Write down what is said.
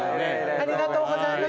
ありがとうございます。